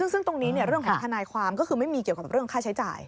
ซึ่งตรงนี้เรื่องของทนายความก็คือไม่มีเกี่ยวกับเรื่องค่าใช้จ่าย